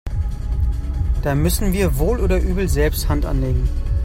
Da müssen wir wohl oder übel selbst Hand anlegen.